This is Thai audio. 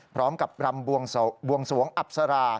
พร้อมกับรำบวงสวงอับสรา